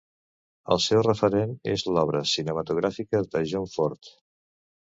El seu referent és l'obra cinematogràfica de John Ford.